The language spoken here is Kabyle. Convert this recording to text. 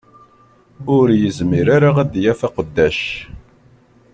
Ur yezmir ara ad d-yaff aqeddac